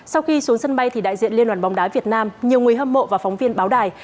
sau khi xuống sân bay thì đại diện liên đoàn bóng đá việt nam nhiều người hâm mộ và phóng viên báo đài